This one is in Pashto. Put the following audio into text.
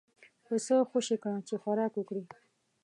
پسه خوشی کړه چې خوراک وکړي.